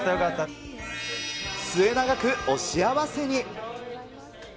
末永くお幸せに。